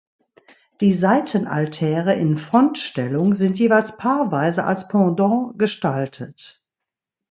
Die Seitenaltäre in Frontstellung sind jeweils paarweise als Pendant gestaltet.